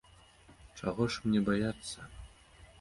Чаго ж мне баяцца?